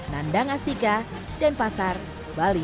nandang astika dan pasar bali